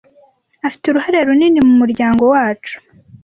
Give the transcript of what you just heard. Afite uruhare runini mumuryango wacu.